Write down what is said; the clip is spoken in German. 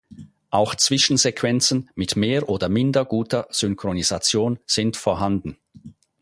Auch Zwischensequenzen mit mehr oder minder guter Synchronisation sind vorhanden.